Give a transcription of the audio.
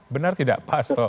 benar tidak pak astor